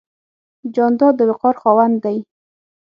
جانداد د وقار خاوند دی.